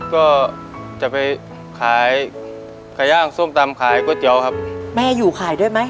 ก็จะไปขายไก่ย่างส้มตำขายก๋วยเตี๋ยวครับแม่อยู่ขายด้วยไหม